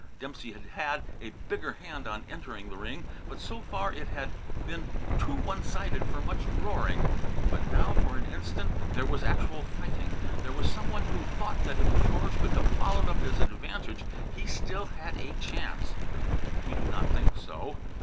Dempsey had had a bigger hand on entering the ring; but so far it had been too one sided for much roaring. But now, for an instant, there was actual fighting. There were some who thought that if Georges could have followed up this advantage he still had a chance. We do not think so.